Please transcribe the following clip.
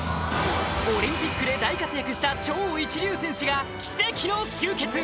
オリンピックで大活躍した超一流選手が奇跡の集結